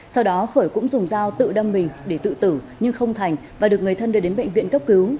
sau đó khởi cũng dùng dao tự đâm mình để tự tử nhưng không thành và được người thân đưa đến bệnh viện cấp cứu